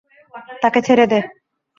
তাকে ছেড়ে দে।